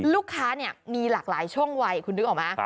ลูกค้าเนี่ยมีหลากหลายช่วงวัยคุณนึกออกไหม